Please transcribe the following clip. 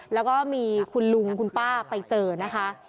แล้วก็มีคุณลุงคุณป้าไปเจอนะคะ